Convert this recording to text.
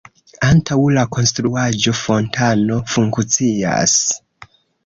Antaŭ la konstruaĵo fontano funkcias.